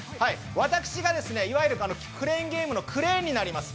私がいわゆるクレーンゲームのクレーンになります。